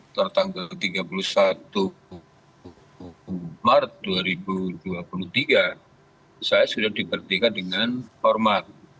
tertanggal tiga puluh satu maret dua ribu dua puluh tiga saya sudah diberhentikan dengan hormat